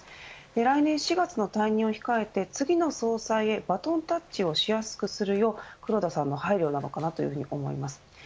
来年４月の退任を控えて次の総裁へバトンタッチをしやすくするよう黒田さんの配慮なのかなと思います。